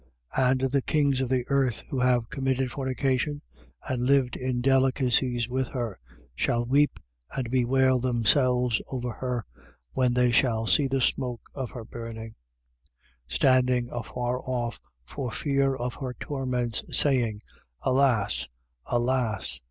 18:9. And the kings of the earth, who have committed fornication and lived in delicacies with her, shall weep and bewail themselves over her, when they shall see the smoke of her burning: 18:10. Standing afar off for fear of her torments, saying: Alas! alas!